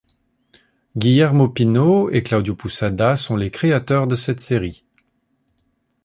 Guillermo Pino et Claudio Pousada sont les créateurs de cette série.